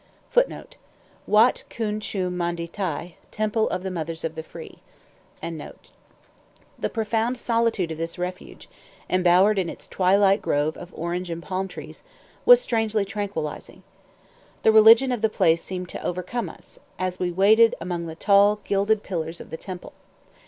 [Footnote: Watt Khoon Choom Manda Thai, "Temple of the Mothers of the Free."] The profound solitude of this refuge, embowered in its twilight grove of orange and palm trees, was strangely tranquillizing. The religion of the place seemed to overcome us, as we waited among the tall, gilded pillars of the temple.